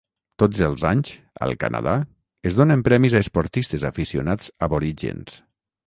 Tots els anys, al Canadà, es donen premis a esportistes aficionats aborígens.